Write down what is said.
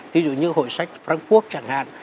ví dụ như hội sách frankfurt chẳng hạn